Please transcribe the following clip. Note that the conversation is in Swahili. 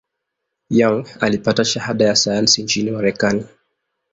Young alipata shahada ya sayansi nchini Marekani.